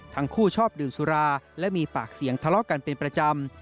ชอบดื่มสุราและมีปากเสียงทะเลาะกันเป็นประจำ